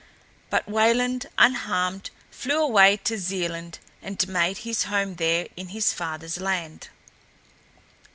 But Wayland, unharmed, flew away to Zealand and made his home there in his father's land.